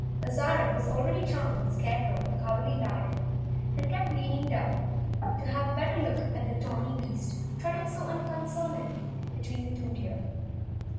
Azarine already was charmed with the Scarecrow and the Cowardly Lion, and kept leaning down to have a better look at the tawny beast trotting so unconcernedly between the two deer.